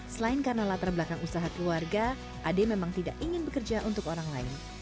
selain karena latar belakang usaha keluarga ade memang tidak ingin bekerja untuk orang lain